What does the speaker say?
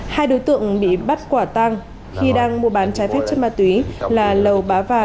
hai đối tượng bị bắt quả tăng khi đang mua bán trái phép chất ma túy là lầu bá và